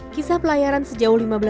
kisah pelayaran sejauh lima belas ribu tahun